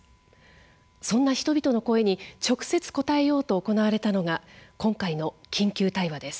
そんな人々の声に直接答えようと行われたのが今回の緊急対話です。